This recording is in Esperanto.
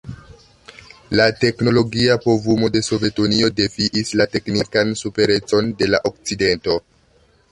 La teknologia povumo de Sovetunio defiis la teknikan superecon de la Okcidento.